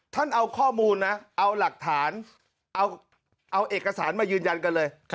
ท่านเอาข้อมูลนะเอาหลักฐานเอาเอกสารมายืนยันกันเลย